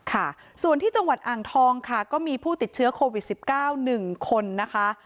ค่ะส่วนที่จังหวัดอ่างทองค่ะก็มีผู้ติดเชื้อโควิด๑๙๑คนนะคะ